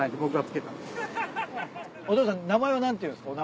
お父さん名前は何ていうんすか？